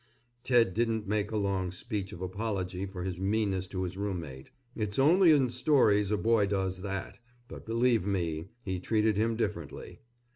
Ted didn't make a long speech of apology for his meanness to his roommate. It's only in stories a boy does that, but, believe me, he treated him differently.